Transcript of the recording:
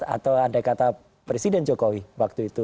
atau andai kata presiden jokowi waktu itu